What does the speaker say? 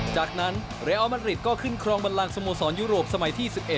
จากนั้นเรอมัดริดก็ขึ้นครองบันลังสโมสรยุโรปสมัยที่๑๑